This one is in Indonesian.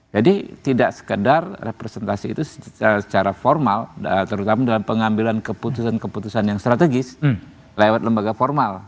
jadi tidak sekedar representasi itu secara formal terutama dalam pengambilan keputusan keputusan yang strategis lewat lembaga formal